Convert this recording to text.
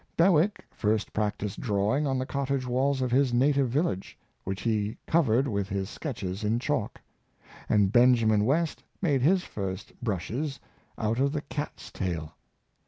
Bewick first practiced drawing on the cottage walls of his native village, which he cov ered with his sketches in chalk; and Benjamin West made his first brushes out of the cat's tail.